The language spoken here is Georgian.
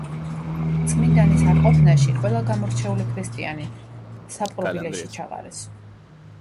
წმინდანის არყოფნაში ყველა გამორჩეული ქრისტიანი საპყრობილეში ჩაყარეს.